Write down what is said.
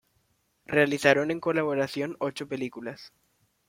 Realizaron en colaboración ocho películas.